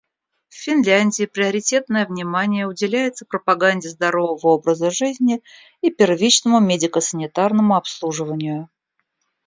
В Финляндии приоритетное внимание уделяется пропаганде здорового образа жизни и первичному медико-санитарному обслуживанию.